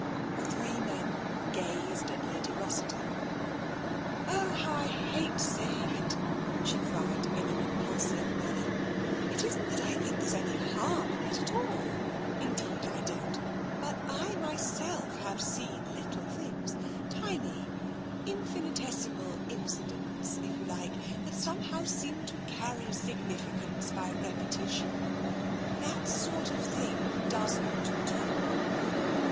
The three men gazed at Lady Rossiter. " Oh, how I hate saying it !" she cried in an im pulsive manner. " It isn't that I think there's any harm in it all — indeed, I don't. But I myself have seen little things — tiny, infinitesimal incidents, if you like — that somehow seem to carry significance by repetition. That sort of thing doesn't do."